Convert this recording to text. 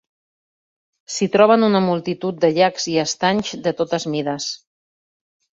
S'hi troben una multitud de llacs i estanys de totes mides.